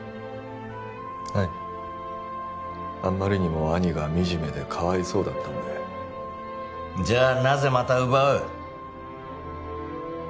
はいあんまりにも兄が惨めでかわいそうだったんでじゃあなぜまた奪う？